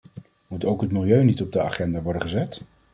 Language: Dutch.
Moet ook het milieu niet op de agenda worden gezet?